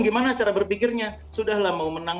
gimana cara berpikirnya sudahlah mau menang